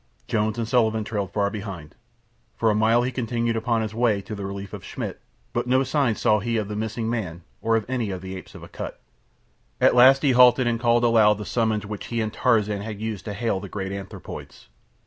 Jones and Sullivan trailed far behind. For a mile he continued upon his way to the relief of Schmidt, but no signs saw he of the missing man or of any of the apes of Akut. At last he halted and called aloud the summons which he and Tarzan had used to hail the great anthropoids.